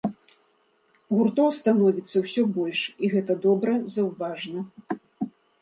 Гуртоў становіцца ўсё больш, і гэта добра заўважна.